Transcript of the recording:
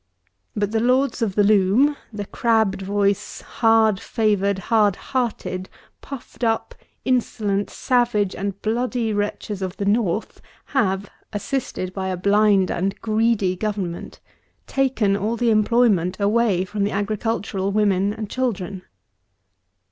But the Lords of the Loom, the crabbed voiced, hard favoured, hard hearted, puffed up, insolent, savage and bloody wretches of the North have, assisted by a blind and greedy Government, taken all the employment away from the agricultural women and children.